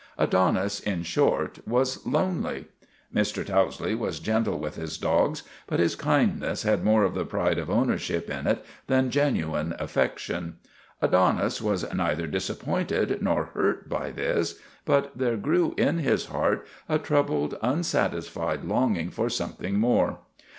Adonis, in short, was lonely. Mr. Towsley was gentle with his dogs, but his kindness had more of the pride of ownership in it than genuine affection. Adonis was neither disappointed nor hurt by this, THE RETURN OF THE CHAMPION 295 but there grew in his heart a troubled, unsatisfied longing for something more.